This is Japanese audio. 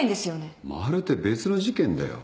まるで別の事件だよ。